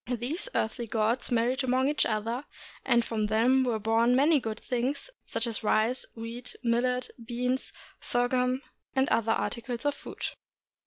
These earthly gods married among each other, and from them were born many good things, such as rice, wheat, millet, beans, sorghum, and other articles of food.